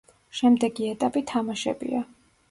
შემდეგი ეტაპი თამაშებია.